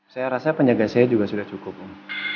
saya rasa penjaga saya juga sudah cukup